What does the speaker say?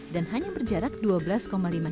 dan hanya berjarak ke jogja